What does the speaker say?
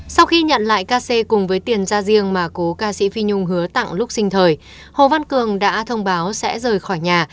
sau khi nhận lại ca xe cùng với tiền ra riêng mà cố ca sĩ phi nhung hứa tặng lúc sinh thời hồ văn cường đã thông báo sẽ rời khỏi nhà